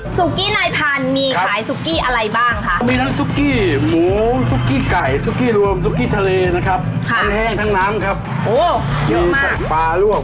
ซุกกี้ในพันธุ์มีขายซุกกี้อะไรบ้างคะครับ